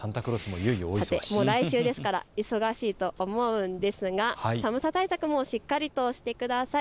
もう来週ですから忙しいと思うんですが寒さ対策もしっかりとしてください。